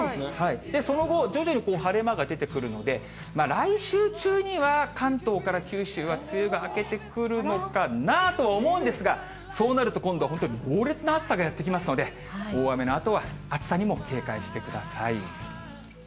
その後、徐々に晴れ間が出てくるので、来週中には関東から九州は梅雨が明けてくるのかなとは思うんですが、そうなると今度は猛烈な暑さがやって来ますので、大雨のあとは暑さにも警戒してください。